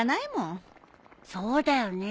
そうだよね。